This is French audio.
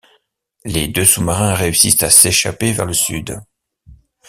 Les deux sous-marins réussissent à s'échapper vers le sud.